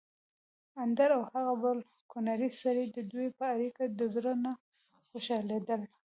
اندړ او هغه بل کونړی سړی ددوی په اړېکه د زړه نه خوشحاليدل